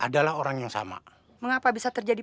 dlamanya ing damai